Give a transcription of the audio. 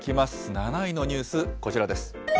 ７位のニュース、こちらです。